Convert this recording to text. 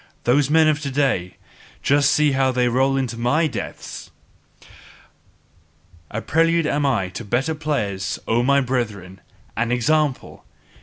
Those men of to day, see just how they roll into my depths! A prelude am I to better players, O my brethren! An example!